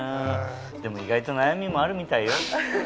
でも意外と悩みもあるみたいよ。